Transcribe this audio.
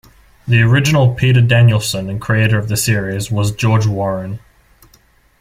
The original "Peter Danielson" and creator of the series was George Warren.